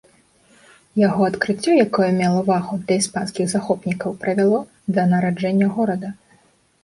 Яго адкрыццё, якое мела вагу для іспанскіх захопнікаў, прывяло да нараджэння горада.